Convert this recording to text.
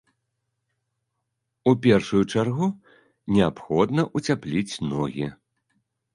У першую чаргу неабходна ўцяпліць ногі.